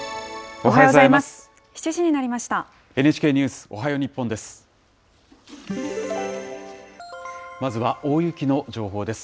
おはようございます。